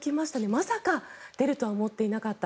まさか出るとは思っていなかった。